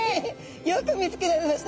よく見つけられましたね。